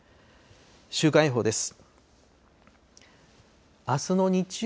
週間予報です。